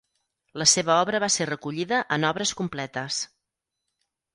La seva obra va ser recollida en Obres completes.